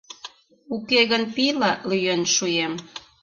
Уке гын пийла лӱен шуэм.